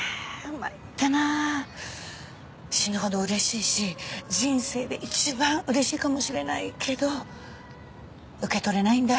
まいったな死ぬほどうれしいし人生で一番うれしいかもしれないけど受け取れないんだ